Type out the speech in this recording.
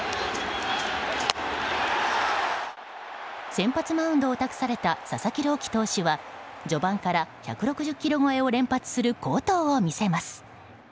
先発マウンドを託された佐々木朗希投手は序盤から１６０キロ超えを連発する好投を見せます。